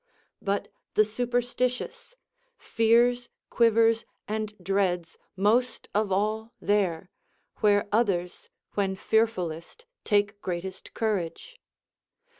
But the superstitious fears, quivers, and dreads most of all there, Avhere others Avhen fearfuUest take greatest courage.